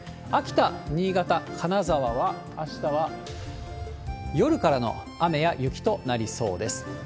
秋田、新潟、金沢は、あしたは夜からの雨や雪となりそうです。